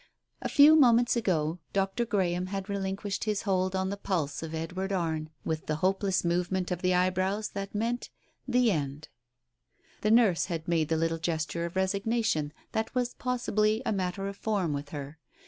A few moments ago Dr. Graham had relinquished his hold on the pulse of Edward Arne with the hopeless movement of the eyebrows that meant — the end. The nurse had made the little gesture of resignation that was possibly a matter of form with her.